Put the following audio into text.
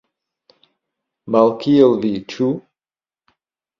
Malkiel vi, ĉu?